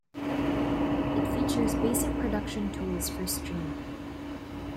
It features basic production tools for streaming.